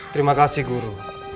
terima kasih guru